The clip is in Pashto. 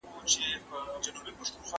هغه څوک چي لوبه کوي خوشاله وي؟